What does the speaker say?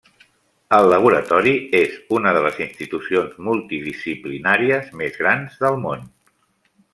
El laboratori és una de les institucions multidisciplinàries més grans del món.